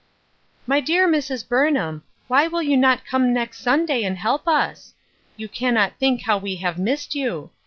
" My dear Mrs. Burnham, why will you not come next Sunday and help us ? You cannot think how we have missed you